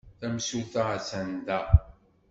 Tamsulta attan da.